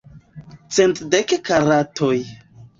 Cent dek karatoj.